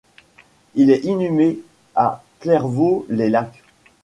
Il est inhumé à Clairvaux-les-Lacs.